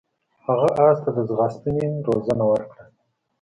هغه اس ته د ځغاستې روزنه ورکړه.